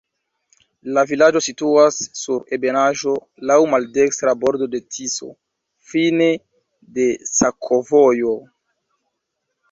La vilaĝo situas sur ebenaĵo, laŭ maldekstra bordo de Tiso, fine de sakovojo.